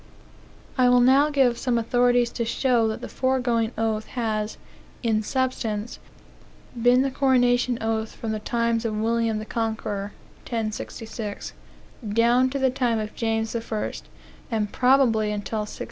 I will now give some authorities to show that the foregoing oath has, in substance, been the coronation oath from the times of William the Conqueror, (1066,) down to the time of James the First, and probably until 1688.